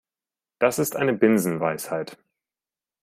Das ist eine Binsenweisheit.